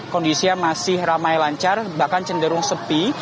kondisinya masih ramai lancar bahkan cenderung sepi